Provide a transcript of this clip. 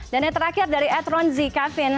dan yang terakhir dari edron z kavin